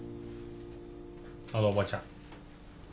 あのおばちゃん。